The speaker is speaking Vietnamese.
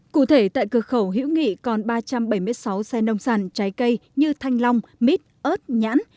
cụ thể tại cửa khẩu hiễu nghị còn ba trăm bảy mươi sáu xe nông sản trái cây như thanh long mít ớt nhãn